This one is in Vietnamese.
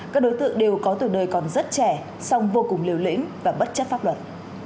các đối tượng đều có tuổi đời còn rất trẻ song vô cùng liều lĩnh và bất chấp pháp luật